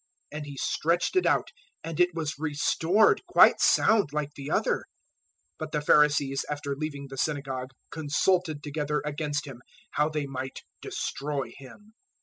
And he stretched it out, and it was restored quite sound like the other. 012:014 But the Pharisees after leaving the synagogue consulted together against Him, how they might destroy Him.